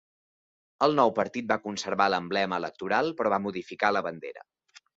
El nou partit va conservar l'emblema electoral però va modificar la bandera.